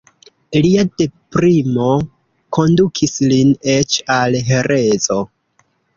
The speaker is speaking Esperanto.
Lia deprimo kondukis lin eĉ al herezo.